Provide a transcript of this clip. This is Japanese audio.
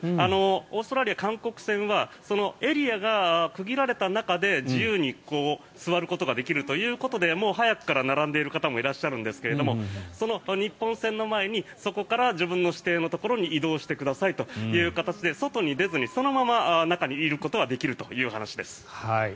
オーストラリア・韓国戦はそのエリアが区切られた中で自由に座ることができるということでもう早くから並んでいる方もいらっしゃるんですけどその日本戦の前にそこから自分の指定のところに移動してくださいということで外に出ずにそのまま中にいることはできるという話です。